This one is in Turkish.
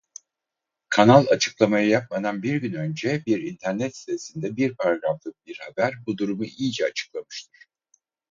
Kanal açıklamayı yapmadan bir gün önce bir internet sitesinde bir paragraflık bir haber bu durumu iyice açıklamıştır.